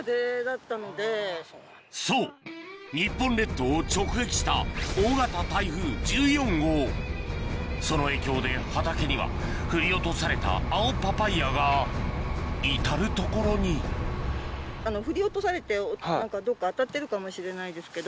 そう日本列島を直撃したその影響で畑には振り落とされた青パパイヤが至る所に振り落とされて何かどっか当たってるかもしれないですけど。